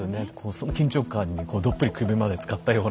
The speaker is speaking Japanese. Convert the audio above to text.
その緊張感にどっぷり首までつかったような。